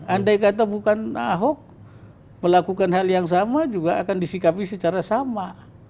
andai kata bukan ahok melakukan hal yang sama juga akan disikapi secara sama